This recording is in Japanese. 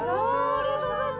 ありがとうございます。